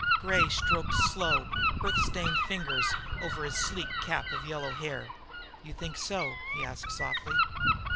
Gray stroked slow, earth stained fingers over his sleek cap of yellow hair. "You think so?" he asked softly.